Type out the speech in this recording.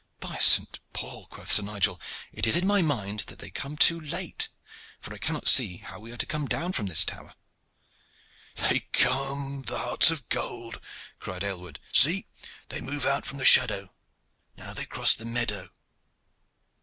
"By Saint Paul!" quoth Sir Nigel, "it is in my mind that they come too late, for I cannot see how we are to come down from this tower." "There they come, the hearts of gold!" cried Aylward. "See, they move out from the shadow. Now they cross the meadow.